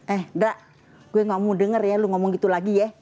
eh dak gue gak mau denger ya lu ngomong gitu lagi ya